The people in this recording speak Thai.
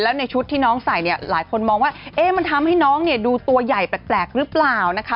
แล้วในชุดที่น้องใส่เนี่ยหลายคนมองว่าเอ๊ะมันทำให้น้องเนี่ยดูตัวใหญ่แปลกหรือเปล่านะคะ